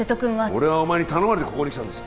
俺はお前に頼まれてここに来たんだぞ